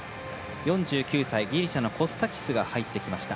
４９歳、ギリシャのコスタキスが入ってきました。